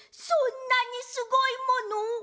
そんなにすごいもの！？